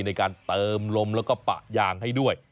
ในการเติมลมแล้วก็ปะยางให้ด้วย